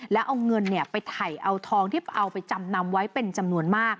แล้วเอาเงินไปถ่ายเอาทองที่เอาไปจำนำไว้เป็นจำนวนมาก